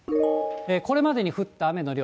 これまでに降った雨の量。